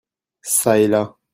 Çà et là